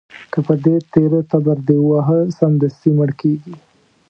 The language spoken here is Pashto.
که په دې تېره تبر دې وواهه، سمدستي مړ کېږي.